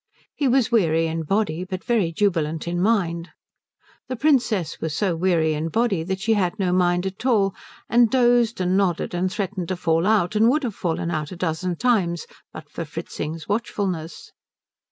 He was weary in body, but very jubilant in mind. The Princess was so weary in body that she had no mind at all, and dozed and nodded and threatened to fall out, and would have fallen out a dozen times but for Fritzing's watchfulness.